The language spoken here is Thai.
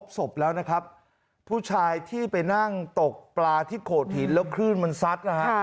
ศพแล้วนะครับผู้ชายที่ไปนั่งตกปลาที่โขดหินแล้วคลื่นมันซัดนะฮะ